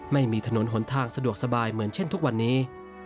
ไม่มีถนนหนทางสะดวกสบายเหมือนเช่นทุกวันนี้